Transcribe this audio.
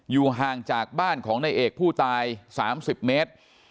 อยู่ห่างจากบ้านของนายเอกผู้ตาย๓๐เมตร